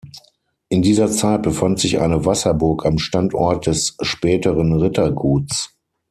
In dieser Zeit befand sich eine Wasserburg am Standort des späteren Ritterguts.